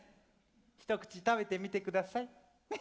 一口食べてみてください。